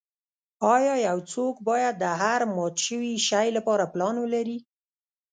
ایا یو څوک باید د هر مات شوي شی لپاره پلان ولري